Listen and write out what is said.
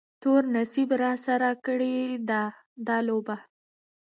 تور نصیب راسره کړې ده دا لوبه